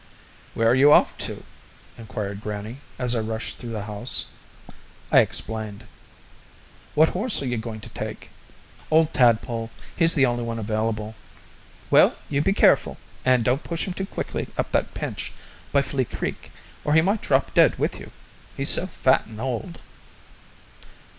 "Where are you off to?" inquired grannie, as I rushed through the house. I explained. "What horse are you going to take?" "Old Tadpole. He's the only one available." "Well, you be careful and don't push him too quickly up that pinch by Flea Creek, or he might drop dead with you. He's so fat and old."